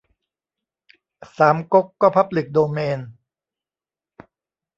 สามก๊ก ก็พับลิกโดเมน